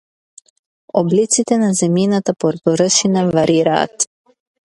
Облиците на земјината површина варираат.